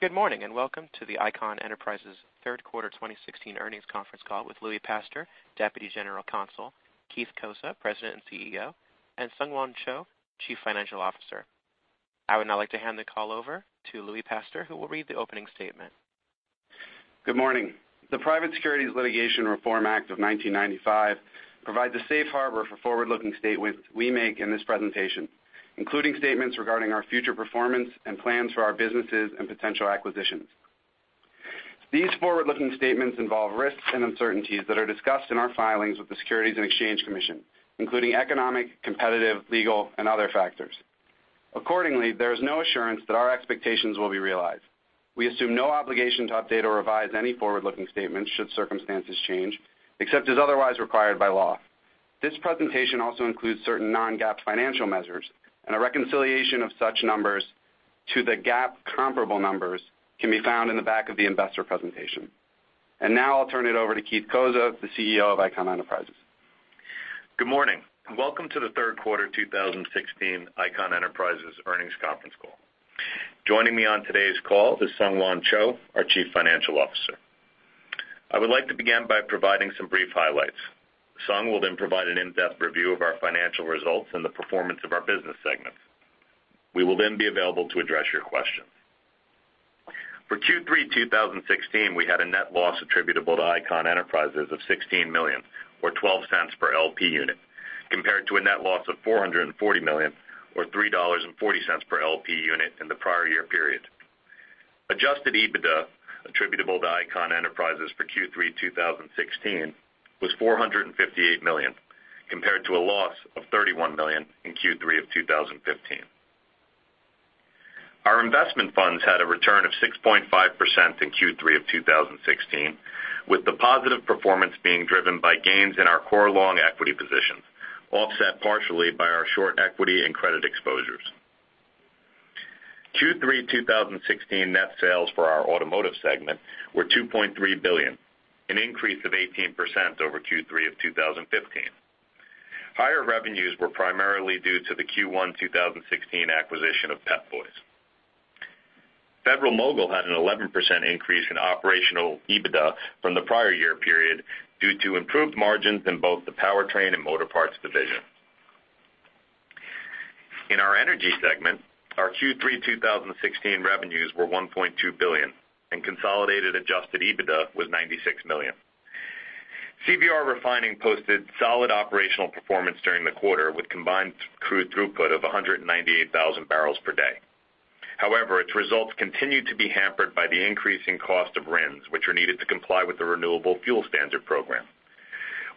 Good morning, welcome to the Icahn Enterprises third quarter 2016 earnings conference call with Louis Pastor, Deputy General Counsel, Keith Cozza, President and CEO, and SungHwan Cho, Chief Financial Officer. I would now like to hand the call over to Louis Pastor, who will read the opening statement. Good morning. The Private Securities Litigation Reform Act of 1995 provides a safe harbor for forward-looking statements we make in this presentation, including statements regarding our future performance and plans for our businesses and potential acquisitions. These forward-looking statements involve risks and uncertainties that are discussed in our filings with the Securities and Exchange Commission, including economic, competitive, legal, and other factors. Accordingly, there is no assurance that our expectations will be realized. We assume no obligation to update or revise any forward-looking statements should circumstances change, except as otherwise required by law. This presentation also includes certain non-GAAP financial measures, and a reconciliation of such numbers to the GAAP comparable numbers can be found in the back of the investor presentation. Now I'll turn it over to Keith Cozza, the CEO of Icahn Enterprises. Good morning. Welcome to the third quarter 2016 Icahn Enterprises earnings conference call. Joining me on today's call is SungHwan Cho, our Chief Financial Officer. I would like to begin by providing some brief highlights. Sung will then provide an in-depth review of our financial results and the performance of our business segments. We will then be available to address your questions. For Q3 2016, we had a net loss attributable to Icahn Enterprises of $16 million, or $0.12 per LP unit, compared to a net loss of $440 million, or $3.40 per LP unit in the prior year period. Adjusted EBITDA attributable to Icahn Enterprises for Q3 2016 was $458 million, compared to a loss of $31 million in Q3 of 2015. Our investment funds had a return of 6.5% in Q3 of 2016, with the positive performance being driven by gains in our core long equity positions, offset partially by our short equity and credit exposures. Q3 2016 net sales for our automotive segment were $2.3 billion, an increase of 18% over Q3 of 2015. Higher revenues were primarily due to the Q1 2016 acquisition of Pep Boys. Federal-Mogul had an 11% increase in operational EBITDA from the prior year period due to improved margins in both the powertrain and motor parts division. In our energy segment, our Q3 2016 revenues were $1.2 billion, and consolidated adjusted EBITDA was $96 million. CVR Refining posted solid operational performance during the quarter with combined crude throughput of 198,000 barrels per day. However, its results continued to be hampered by the increasing cost of RINs, which are needed to comply with the Renewable Fuel Standard Program.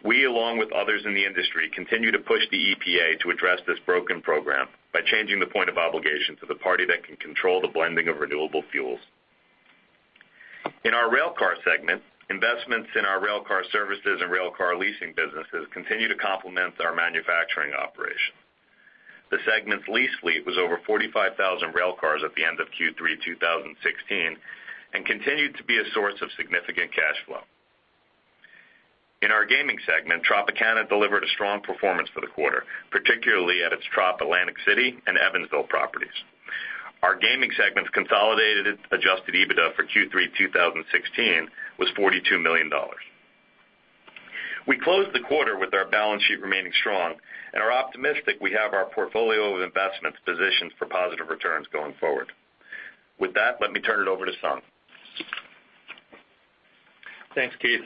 We, along with others in the industry, continue to push the EPA to address this broken program by changing the point of obligation to the party that can control the blending of renewable fuels. In our railcar segment, investments in our railcar services and railcar leasing businesses continue to complement our manufacturing operation. The segment's lease fleet was over 45,000 railcars at the end of Q3 2016 and continued to be a source of significant cash flow. In our gaming segment, Tropicana delivered a strong performance for the quarter, particularly at its Trop Atlantic City and Evansville properties. Our gaming segment's consolidated adjusted EBITDA for Q3 2016 was $42 million. We closed the quarter with our balance sheet remaining strong and are optimistic we have our portfolio of investments positioned for positive returns going forward. With that, let me turn it over to Sung. Thanks, Keith.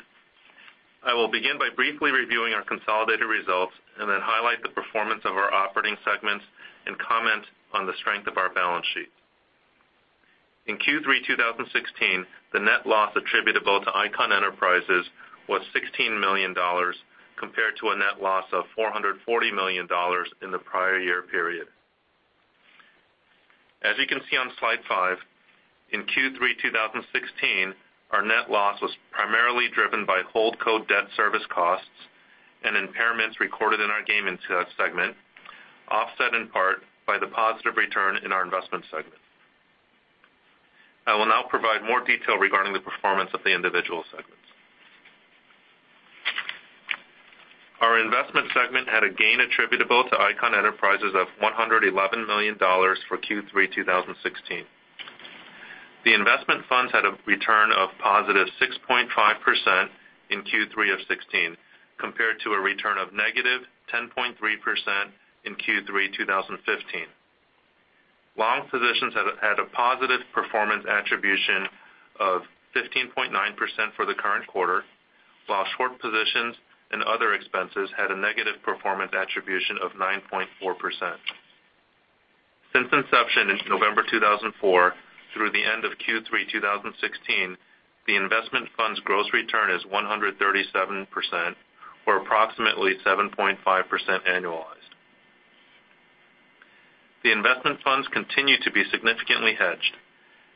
I will begin by briefly reviewing our consolidated results and then highlight the performance of our operating segments and comment on the strength of our balance sheet. In Q3 2016, the net loss attributable to Icahn Enterprises was $16 million, compared to a net loss of $440 million in the prior year period. As you can see on slide five, in Q3 2016, our net loss was primarily driven by holdco debt service costs and impairments recorded in our gaming segment, offset in part by the positive return in our investment segment. I will now provide more detail regarding the performance of the individual segments. Our investment segment had a gain attributable to Icahn Enterprises of $111 million for Q3 2016. The investment funds had a return of positive 6.5% in Q3 of '16, compared to a return of negative 10.3% in Q3 2015. Long positions had a positive performance attribution of 15.9% for the current quarter, while short positions and other expenses had a negative performance attribution of 9.4%. Since inception in November 2004 through the end of Q3 2016, the investment fund's gross return is 137%, or approximately 7.5% annualized. The investment funds continue to be significantly hedged.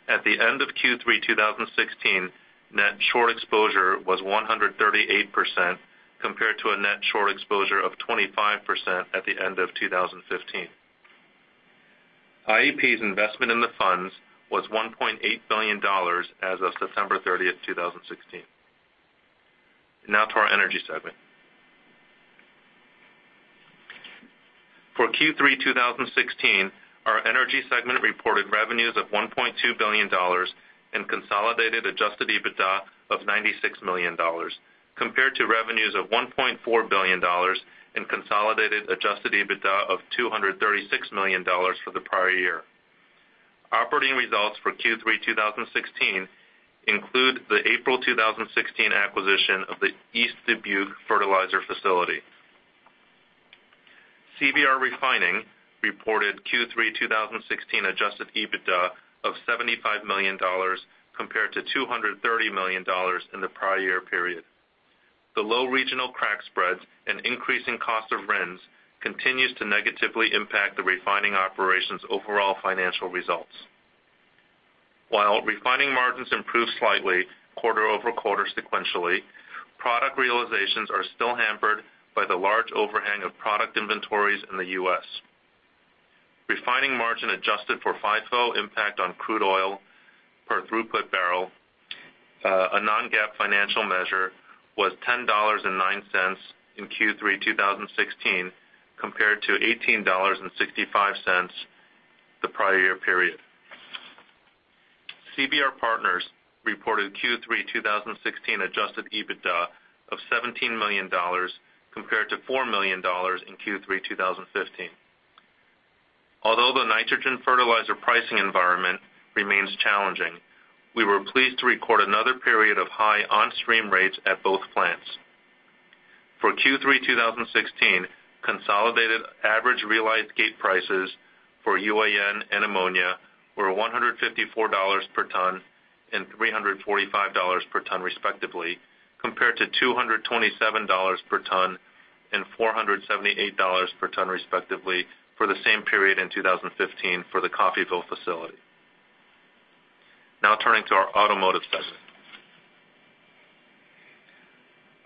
At the end of Q3 2016, net short exposure was 138%, compared to a net short exposure of 25% at the end of 2015. IEP's investment in the funds was $1.8 billion as of September 30th, 2016. Now to our energy segment. For Q3 2016, our energy segment reported revenues of $1.2 billion and consolidated adjusted EBITDA of $96 million, compared to revenues of $1.4 billion and consolidated adjusted EBITDA of $236 million for the prior year. Operating results for Q3 2016 include the April 2016 acquisition of the East Dubuque fertilizer facility. CVR Refining reported Q3 2016 adjusted EBITDA of $75 million compared to $230 million in the prior year period. The low regional crack spreads and increasing cost of RINs continues to negatively impact the refining operations' overall financial results. While refining margins improved slightly quarter-over-quarter sequentially, product realizations are still hampered by the large overhang of product inventories in the U.S. Refining margin adjusted for FIFO impact on crude oil per throughput barrel, a non-GAAP financial measure, was $10.09 in Q3 2016, compared to $18.65 the prior year period. CVR Partners reported Q3 2016 adjusted EBITDA of $17 million compared to $4 million in Q3 2015. Although the nitrogen fertilizer pricing environment remains challenging, we were pleased to record another period of high on-stream rates at both plants. Turning to our Automotive segment.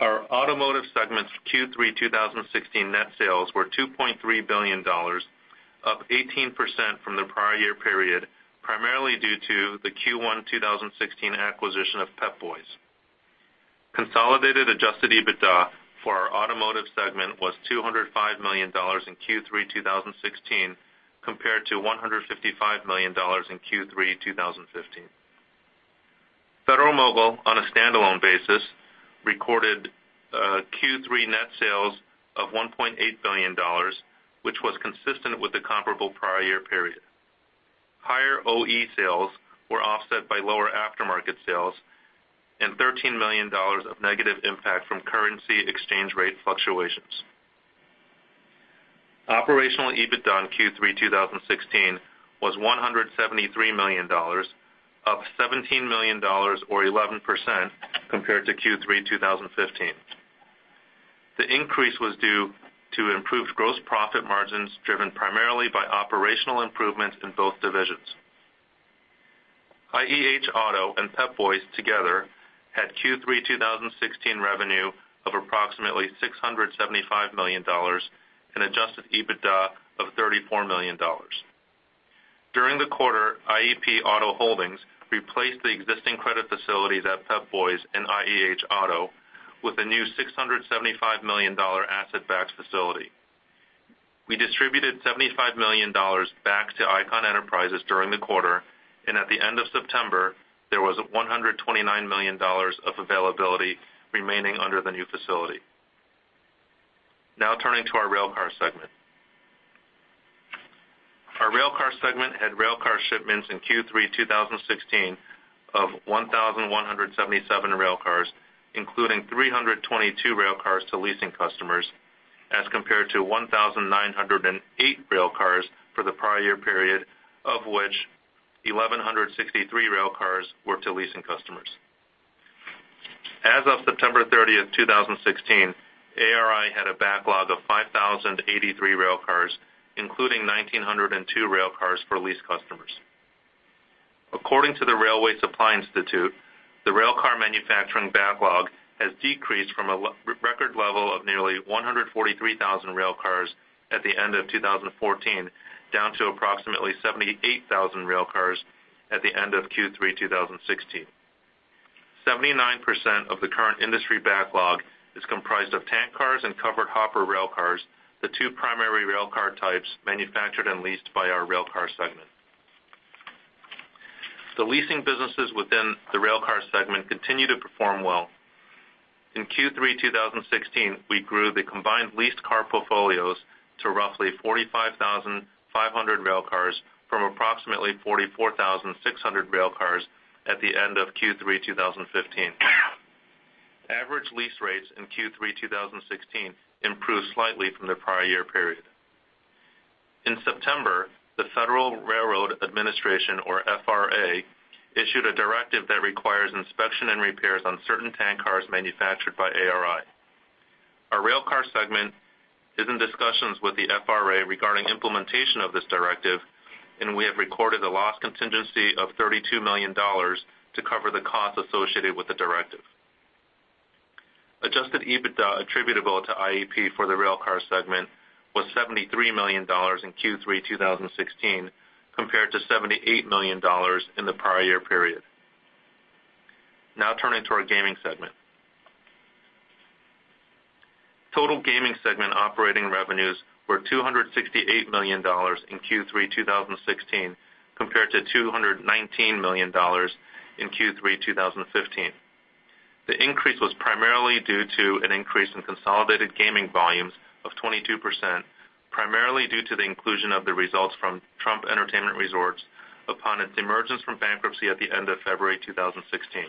Our Automotive segment's Q3 2016 net sales were $2.3 billion, up 18% from the prior year period, primarily due to the Q1 2016 acquisition of Pep Boys. Consolidated adjusted EBITDA for our Automotive segment was $205 million in Q3 2016, compared to $155 million in Q3 2015. Federal-Mogul, on a standalone basis, recorded Q3 net sales of $1.8 billion, which was consistent with the comparable prior year period. Higher OE sales were offset by lower aftermarket sales and $13 million of negative impact from currency exchange rate fluctuations. Operational EBITDA in Q3 2016 was $173 million, up $17 million or 11% compared to Q3 2015. The increase was due to improved gross profit margins, driven primarily by operational improvements in both divisions. IEH Auto and Pep Boys together had Q3 2016 revenue of approximately $675 million and adjusted EBITDA of $34 million. During the quarter, IEP Auto Holdings replaced the existing credit facilities at Pep Boys and IEH Auto with a new $675 million asset-backed facility. We distributed $75 million back to Icahn Enterprises during the quarter, and at the end of September, there was $129 million of availability remaining under the new facility. Turning to our Railcar segment. Our Railcar segment had railcar shipments in Q3 2016 of 1,177 railcars, including 322 railcars to leasing customers, as compared to 1,908 railcars for the prior year period, of which 1,163 railcars were to leasing customers. As of September 30th, 2016, ARI had a backlog of 5,083 railcars, including 1,902 railcars for lease customers. According to the Railway Supply Institute, the railcar manufacturing backlog has decreased from a record level of nearly 143,000 railcars at the end of 2014, down to approximately 78,000 railcars at the end of Q3 2016. 79% of the current industry backlog is comprised of tank cars and covered hopper railcars, the two primary railcar types manufactured and leased by our Railcar segment. The leasing businesses within the Railcar segment continue to perform well. In Q3 2016, we grew the combined leased car portfolios to roughly 45,500 railcars from approximately 44,600 railcars at the end of Q3 2015. Average lease rates in Q3 2016 improved slightly from the prior year period. In September, the Federal Railroad Administration, or FRA, issued a directive that requires inspection and repairs on certain tank cars manufactured by ARI. Our Railcar segment is in discussions with the FRA regarding implementation of this directive, and we have recorded a loss contingency of $32 million to cover the costs associated with the directive. Adjusted EBITDA attributable to IEP for the Railcar segment was $73 million in Q3 2016, compared to $78 million in the prior year period. Turning to our gaming segment. Total gaming segment operating revenues were $268 million in Q3 2016 compared to $219 million in Q3 2015. The increase was primarily due to an increase in consolidated gaming volumes of 22%, primarily due to the inclusion of the results from Trump Entertainment Resorts upon its emergence from bankruptcy at the end of February 2016,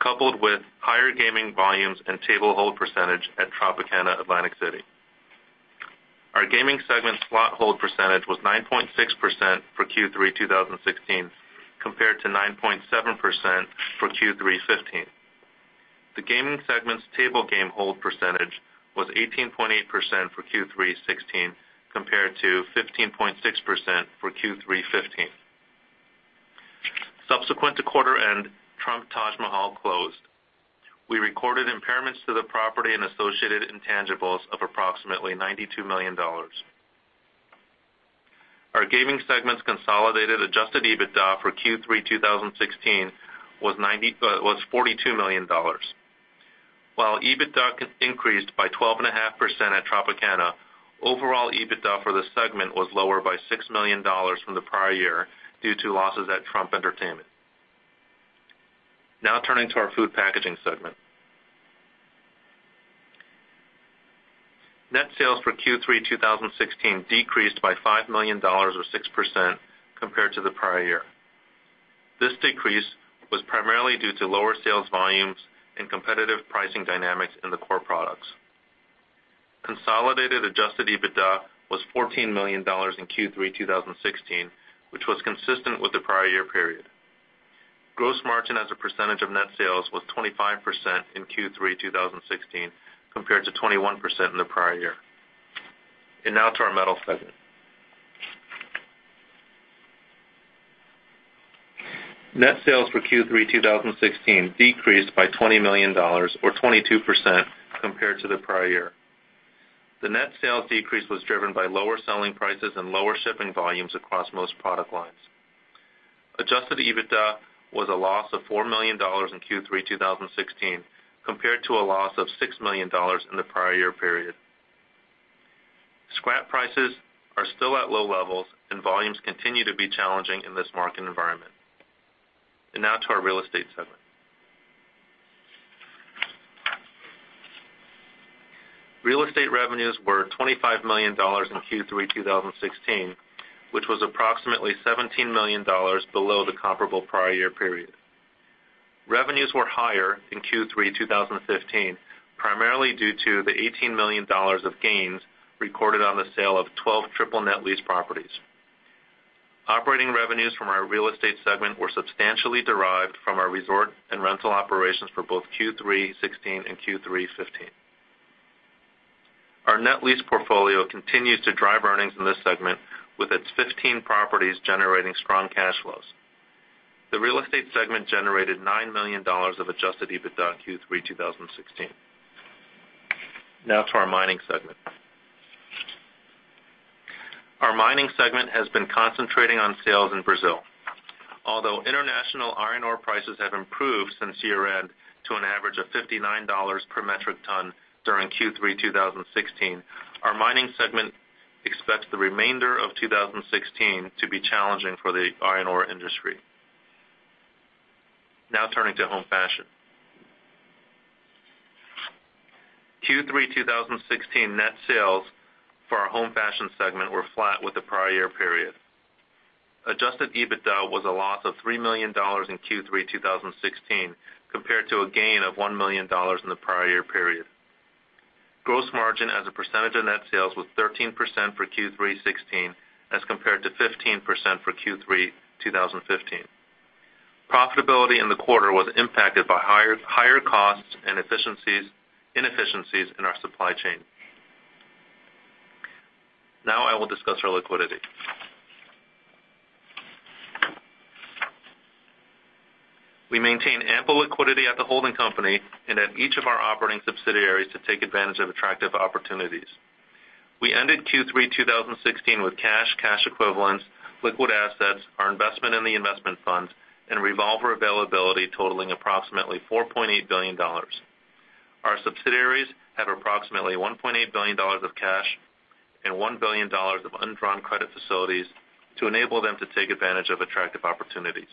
coupled with higher gaming volumes and table hold percentage at Tropicana Atlantic City. Our gaming segment slot hold percentage was 9.6% for Q3 2016 compared to 9.7% for Q3 2015. The gaming segment's table game hold percentage was 18.8% for Q3 2016 compared to 15.6% for Q3 2015. Subsequent to quarter end, Trump Taj Mahal closed. We recorded impairments to the property and associated intangibles of approximately $92 million. Our gaming segment's consolidated adjusted EBITDA for Q3 2016 was $42 million. While EBITDA increased by 12.5% at Tropicana, overall EBITDA for the segment was lower by $6 million from the prior year due to losses at Trump Entertainment. Turning to our food packaging segment. Net sales for Q3 2016 decreased by $5 million or 6% compared to the prior year. This decrease was primarily due to lower sales volumes and competitive pricing dynamics in the core products. Consolidated adjusted EBITDA was $14 million in Q3 2016, which was consistent with the prior year period. Gross margin as a percentage of net sales was 25% in Q3 2016 compared to 21% in the prior year. Turning to our metal segment. Net sales for Q3 2016 decreased by $20 million or 22% compared to the prior year. The net sales decrease was driven by lower selling prices and lower shipping volumes across most product lines. Adjusted EBITDA was a loss of $4 million in Q3 2016 compared to a loss of $6 million in the prior year period. Scrap prices are still at low levels and volumes continue to be challenging in this market environment. Turning to our real estate segment. Real estate revenues were $25 million in Q3 2016, which was approximately $17 million below the comparable prior year period. Revenues were higher in Q3 2015, primarily due to the $18 million of gains recorded on the sale of 12 triple net lease properties. Operating revenues from our real estate segment were substantially derived from our resort and rental operations for both Q3 2016 and Q3 2015. Our net lease portfolio continues to drive earnings in this segment with its 15 properties generating strong cash flows. The real estate segment generated $9 million of adjusted EBITDA in Q3 2016. Turning to our mining segment. Our mining segment has been concentrating on sales in Brazil. Although international iron ore prices have improved since year-end to an average of $59 per metric ton during Q3 2016, our mining segment expects the remainder of 2016 to be challenging for the iron ore industry. Turning to home fashion. Q3 2016 net sales for our home fashion segment were flat with the prior year period. Adjusted EBITDA was a loss of $3 million in Q3 2016 compared to a gain of $1 million in the prior year period. Gross margin as a percentage of net sales was 13% for Q3 '16 as compared to 15% for Q3 2015. Profitability in the quarter was impacted by higher costs and inefficiencies in our supply chain. I will discuss our liquidity. We maintain ample liquidity at the holding company and at each of our operating subsidiaries to take advantage of attractive opportunities. We ended Q3 2016 with cash equivalents, liquid assets, our investment in the investment funds, and revolver availability totaling approximately $4.8 billion. Our subsidiaries have approximately $1.8 billion of cash and $1 billion of undrawn credit facilities to enable them to take advantage of attractive opportunities.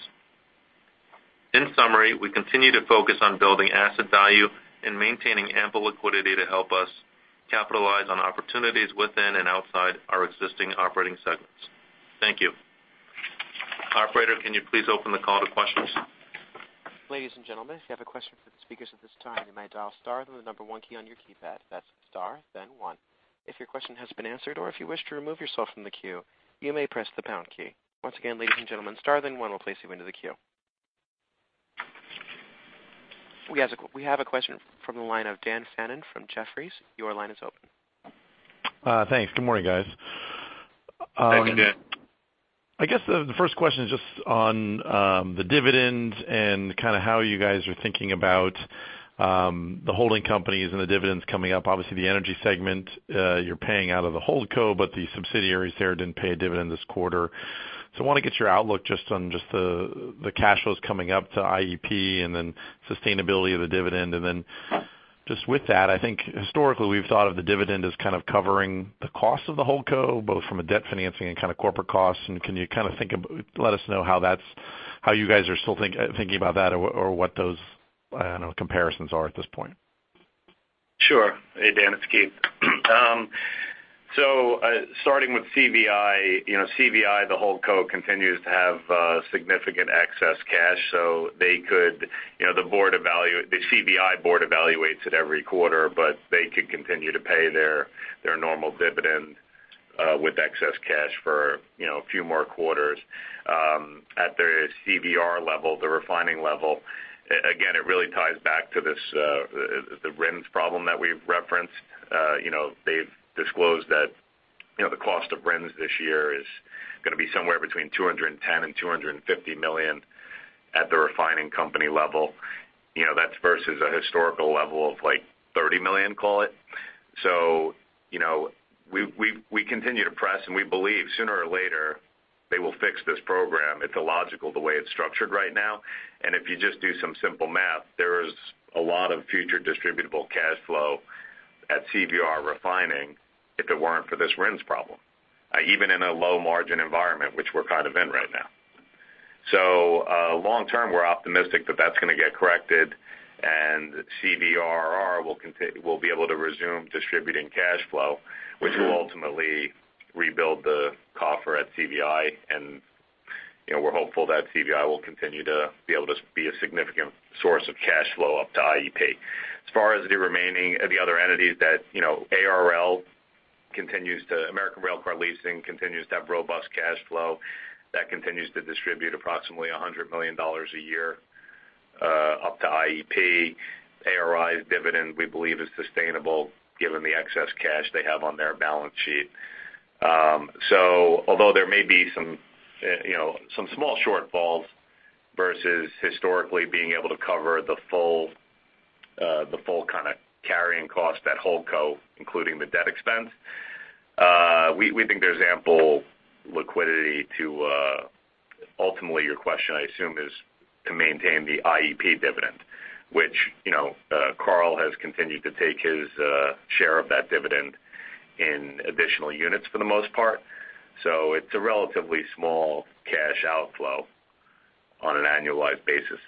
We continue to focus on building asset value and maintaining ample liquidity to help us capitalize on opportunities within and outside our existing operating segments. Thank you. Operator, can you please open the call to questions? Ladies and gentlemen, if you have a question for the speakers at this time, you may dial star, then the number one key on your keypad. That's star, then one. If your question has been answered or if you wish to remove yourself from the queue, you may press the pound key. Once again, ladies and gentlemen, star then one will place you into the queue. We have a question from the line of Dan Fannon from Jefferies. Your line is open. Thanks. Good morning, guys. Good morning, Dan. I guess the first question is just on the dividend and kind of how you guys are thinking about The holding companies and the dividends coming up. Obviously, the energy segment, you're paying out of the holdco, but the subsidiaries there didn't pay a dividend this quarter. I want to get your outlook just on just the cash flows coming up to IEP and then sustainability of the dividend. Just with that, I think historically we've thought of the dividend as kind of covering the cost of the holdco, both from a debt financing and kind of corporate costs. Can you let us know how you guys are still thinking about that or what those, I don't know, comparisons are at this point? Sure. Hey, Dan, it's Keith. Starting with CVI. CVI, the holdco, continues to have significant excess cash, so the CVI board evaluates it every quarter, but they could continue to pay their normal dividend with excess cash for a few more quarters. At the CVR level, the refining level, again, it really ties back to the RINs problem that we've referenced. They've disclosed that the cost of RINs this year is going to be somewhere between $210 million and $250 million at the refining company level. That's versus a historical level of, like, $30 million, call it. We continue to press, and we believe sooner or later they will fix this program. It's illogical the way it's structured right now. If you just do some simple math, there is a lot of future distributable cash flow at CVR Refining if it weren't for this RINs problem, even in a low margin environment, which we're kind of in right now. Long term, we're optimistic that that's going to get corrected and CVRR will be able to resume distributing cash flow, which will ultimately rebuild the coffer at CVI. We're hopeful that CVI will continue to be able to be a significant source of cash flow up to IEP. As far as the other entities, ARL, American Railcar Leasing, continues to have robust cash flow that continues to distribute approximately $100 million a year up to IEP. ARI's dividend, we believe, is sustainable given the excess cash they have on their balance sheet. Although there may be some small shortfalls versus historically being able to cover the full kind of carrying cost at holdco, including the debt expense, we think there's ample liquidity to Ultimately, your question, I assume, is to maintain the IEP dividend, which Carl has continued to take his share of that dividend in additional units for the most part. It's a relatively small cash outflow on an annualized basis.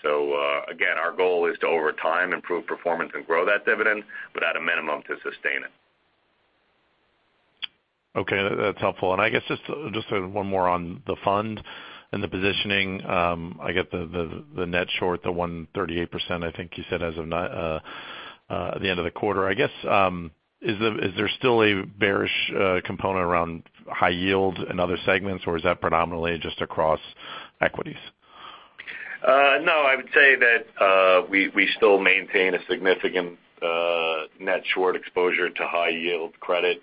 Again, our goal is to, over time, improve performance and grow that dividend, but at a minimum, to sustain it. Okay. That's helpful. I guess just one more on the fund and the positioning. I get the net short, the 138%, I think you said, as of the end of the quarter. I guess, is there still a bearish component around high yield in other segments, or is that predominantly just across equities? I would say that we still maintain a significant net short exposure to high yield credit.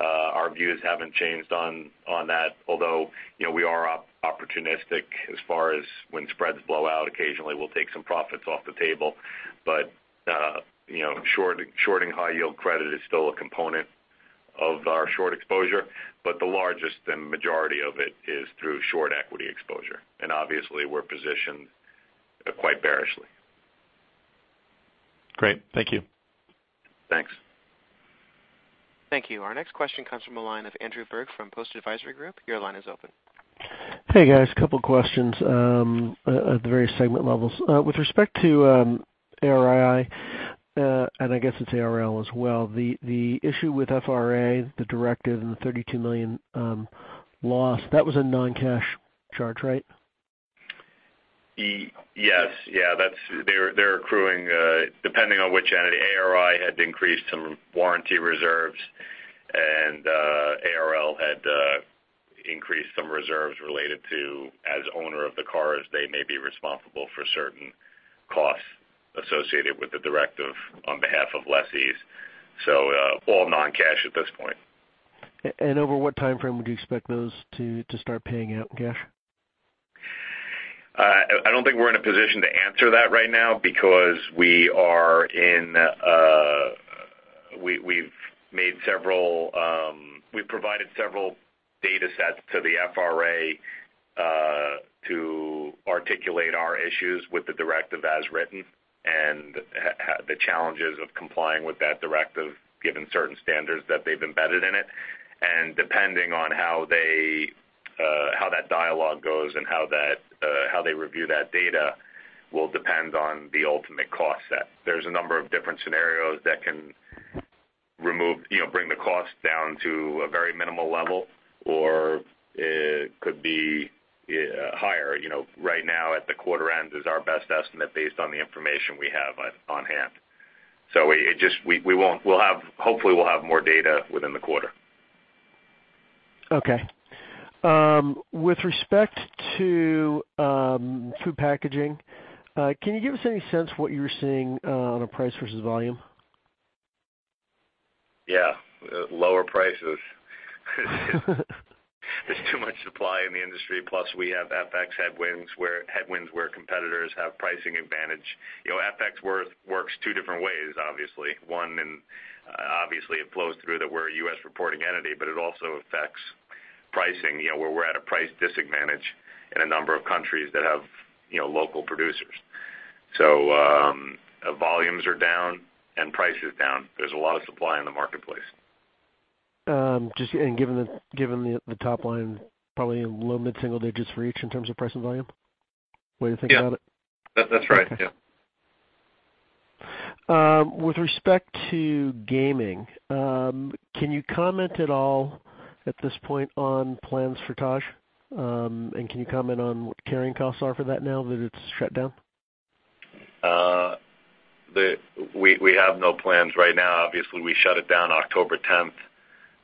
Our views haven't changed on that, although we are opportunistic as far as when spreads blow out. Occasionally we'll take some profits off the table. But shorting high yield credit is still a component of our short exposure. But the largest and majority of it is through short equity exposure. And obviously, we're positioned quite bearishly. Great. Thank you. Thanks. Thank you. Our next question comes from the line of Andrew Berg from Post Advisory Group. Your line is open. Hey, guys, couple questions at the various segment levels. With respect to ARI, and I guess it's ARL as well, the issue with FRA, the directive and the $32 million loss, that was a non-cash charge, right? Yes. They're accruing, depending on which entity. ARI had increased some warranty reserves, and ARL had increased some reserves related to, as owner of the cars, they may be responsible for certain costs associated with the directive on behalf of lessees. All non-cash at this point. Over what timeframe would you expect those to start paying out in cash? I don't think we're in a position to answer that right now because we've provided several data sets to the FRA to articulate our issues with the directive as written and the challenges of complying with that directive, given certain standards that they've embedded in it. Depending on how that dialogue goes and how they review that data will depend on the ultimate cost set. There's a number of different scenarios that can bring the cost down to a very minimal level, or it could be higher. Right now, at the quarter end is our best estimate based on the information we have on hand. Hopefully we'll have more data within the quarter. Okay. With respect to food packaging, can you give us any sense what you're seeing on a price versus volume? Yeah. Lower prices. There's too much supply in the industry, plus we have FX headwinds where competitors have pricing advantage. FX works two different ways, obviously. One, and obviously, it flows through that we're a U.S. reporting entity, but it also affects pricing, where we're at a price disadvantage in a number of countries that have local producers. Volumes are down and price is down. There's a lot of supply in the marketplace. Given the top line probably in low mid-single digits for each in terms of price and volume? Way to think about it? Yeah. That's right. Yeah. With respect to gaming, can you comment at all at this point on plans for Taj? Can you comment on what carrying costs are for that now that it's shut down? We have no plans right now. Obviously, we shut it down October 10th,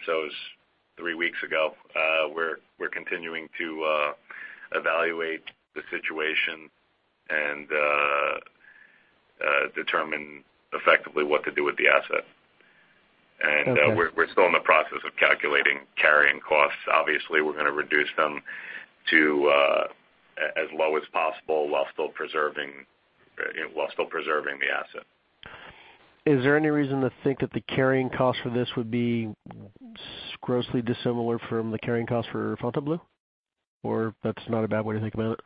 it was three weeks ago. We're continuing to evaluate the situation and determine effectively what to do with the asset. Okay. We're still in the process of calculating carrying costs. Obviously, we're going to reduce them to as low as possible while still preserving the asset. Is there any reason to think that the carrying cost for this would be grossly dissimilar from the carrying cost for Fontainebleau? That's not a bad way to think about it?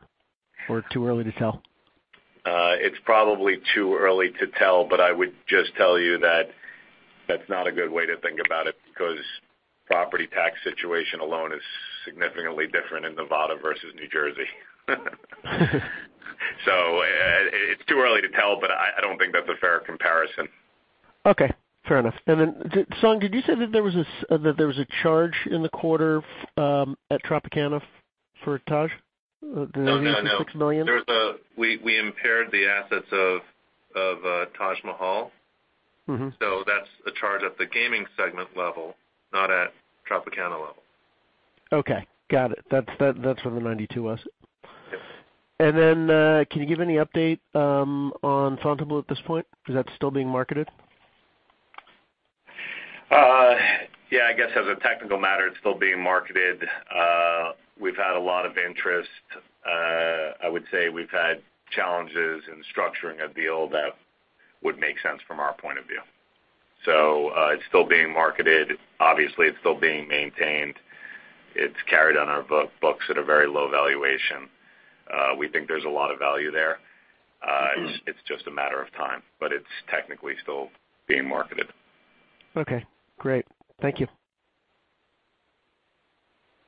Too early to tell? It's probably too early to tell, but I would just tell you that that's not a good way to think about it, because property tax situation alone is significantly different in Nevada versus New Jersey. It's too early to tell, but I don't think that's a fair comparison. Okay. Fair enough. Sung, did you say that there was a charge in the quarter at Tropicana for Taj? The $66 million? We impaired the assets of Taj Mahal. That's a charge at the gaming segment level, not at Tropicana level. Got it. That's where the $92 was. Yes. Can you give any update on Fontainebleau at this point? Is that still being marketed? I guess as a technical matter, it's still being marketed. We've had a lot of interest. I would say we've had challenges in structuring a deal that would make sense from our point of view. It's still being marketed. Obviously, it's still being maintained. It's carried on our books at a very low valuation. We think there's a lot of value there. It's just a matter of time, it's technically still being marketed. Great. Thank you.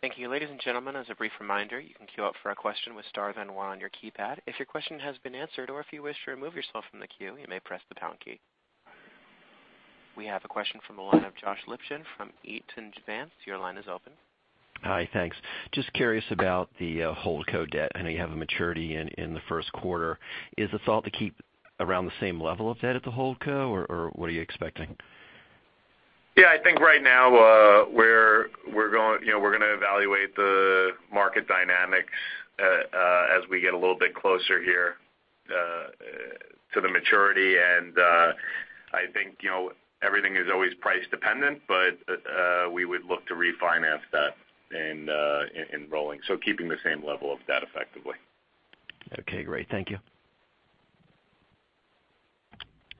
Thank you. Ladies and gentlemen, as a brief reminder, you can queue up for a question with star then one on your keypad. If your question has been answered or if you wish to remove yourself from the queue, you may press the pound key. We have a question from the line of Josh Lipchin from Eaton Vance. Your line is open. Hi, thanks. Just curious about the holdco debt. I know you have a maturity in the first quarter. Is the thought to keep around the same level of debt at the holdco or what are you expecting? Yeah, I think right now, we're going to evaluate the market dynamics as we get a little bit closer here to the maturity. I think everything is always price dependent, but we would look to refinance that in rolling. Keeping the same level of debt effectively. Okay, great. Thank you.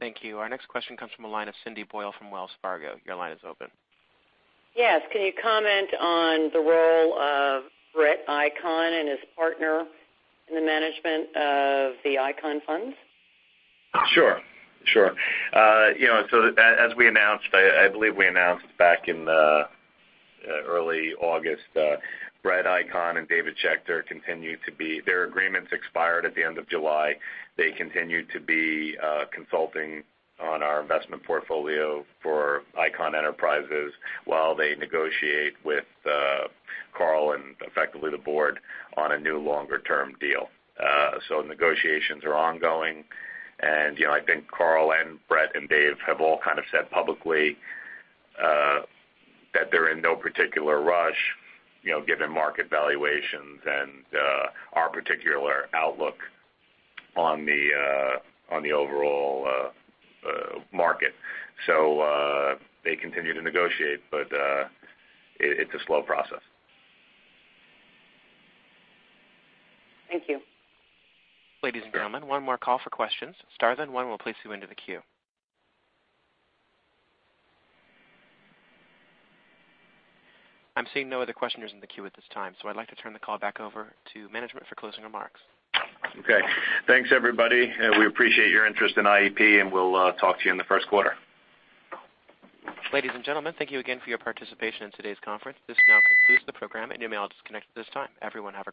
Thank you. Our next question comes from the line of Cindy Boyle from Wells Fargo. Your line is open. Yes. Can you comment on the role of Brett Icahn and his partner in the management of the Icahn Funds? Sure. As we announced, I believe we announced back in early August, Brett Icahn and David Schechter, their agreements expired at the end of July. They continue to be consulting on our investment portfolio for Icahn Enterprises while they negotiate with Carl and, effectively, the board on a new longer-term deal. Negotiations are ongoing, and I think Carl and Brett and Dave have all said publicly that they're in no particular rush, given market valuations and our particular outlook on the overall market. They continue to negotiate, but it's a slow process. Thank you. Ladies and gentlemen, one more call for questions. Star then one will place you into the queue. I'm seeing no other questioners in the queue at this time, I'd like to turn the call back over to management for closing remarks. Okay. Thanks, everybody. We appreciate your interest in IEP. We'll talk to you in the first quarter. Ladies and gentlemen, thank you again for your participation in today's conference. This now concludes the program. You may all disconnect at this time. Everyone, have a great day.